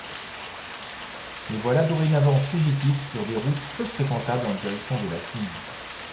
Les voilà dorénavant fugitives sur des routes peu fréquentables en direction de la Tunisie...